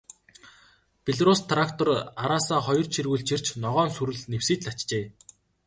Белорусс трактор араасаа хоёр чиргүүл чирч, ногоон сүрэл нэвсийтэл ачжээ.